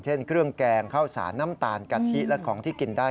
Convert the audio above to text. เช่นเครื่องแกงข้าวสารน้ำตาลกะทิและของที่กินได้